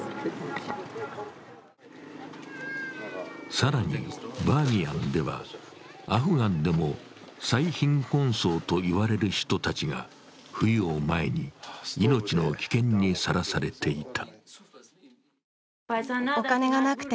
更にバーミヤンでは、アフガンでも最貧困層と言われる人たちが冬を前に、命の危険にさらされていた。